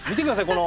この。